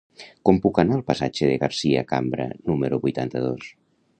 Com puc anar al passatge de Garcia Cambra número vuitanta-dos?